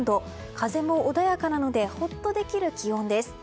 風も穏やかなのでほっとできる気温です。